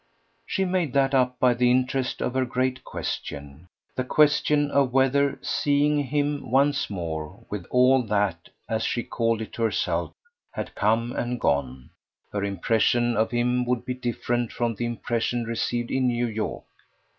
She made that up by the interest of her great question, the question of whether, seeing him once more, with all that, as she called it to herself, had come and gone, her impression of him would be different from the impression received in New York.